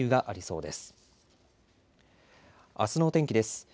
あすの天気です。